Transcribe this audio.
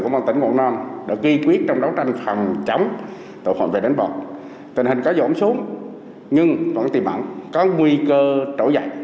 mình có dọn xuống nhưng vẫn tìm ẩn có nguy cơ trổ dậy